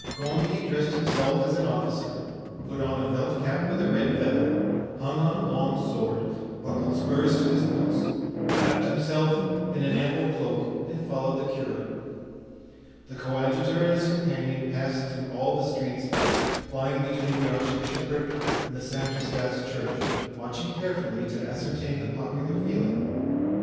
Gondy dressed himself as an officer, put on a felt cap with a red feather, hung on a long sword, buckled spurs to his boots, wrapped himself in an ample cloak and followed the curate. The coadjutor and his companion passed through all the streets lying between the archbishopric and the St. Eustache Church, watching carefully to ascertain the popular feeling.